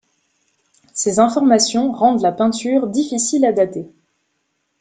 Ces informations rendent la peinture difficile à dater.